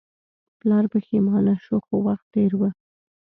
پلار پښیمانه شو خو وخت تیر و.